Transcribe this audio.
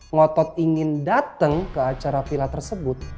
ngotot ingin datang ke acara pilar tersebut